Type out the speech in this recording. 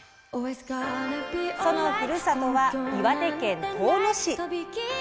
そのふるさとは岩手県遠野市。